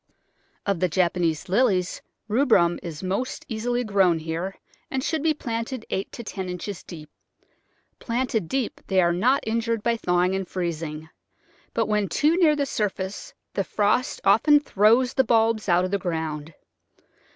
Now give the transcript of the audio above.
Of the Japanese Lilies, rubrum is most easily grown here and should be planted eight to ten inches deep. Planted deep they are not injured by thawing and freezing, but when too near the surface the frost often throws the bulbs out of the ground.